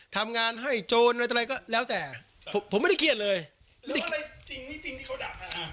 ทำงานให้โจรอะไรอะไรก็แล้วแต่ผมไม่ได้เครียดเลยจริงที่จริงที่เขาด่ามา